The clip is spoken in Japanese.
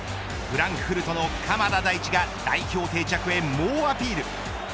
フランクフルトの鎌田大地が代表定着へ猛アピール。